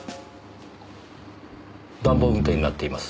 暖房運転になっています。